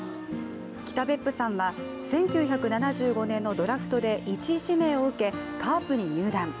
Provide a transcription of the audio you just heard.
北別府さんは１９７５年のドラフトで１位指名を受け、カープに入団。